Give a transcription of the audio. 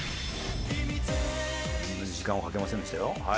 そんなに時間はかけませんでしたよ。